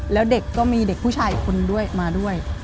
แล้วเด็กก็มีเด็กผู้ชายอีกคนด้วยมาด้วย